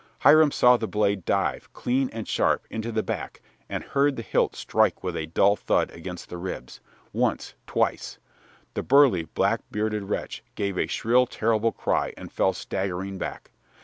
Hiram saw the blade drive, clean and sharp, into the back, and heard the hilt strike with a dull thud against the ribs once, twice. The burly, black bearded wretch gave a shrill, terrible cry and fell staggering back.